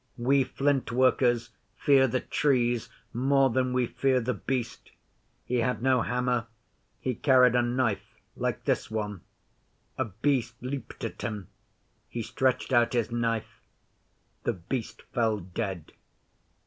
We Flint workers fear the Trees more than we fear The Beast. He had no hammer. He carried a knife like this one. A Beast leaped at him. He stretched out his knife. The Beast fell dead.